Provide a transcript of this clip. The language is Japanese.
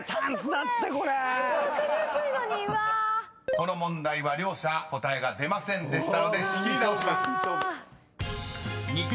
［この問題は両者答えが出ませんでしたので仕切り直します］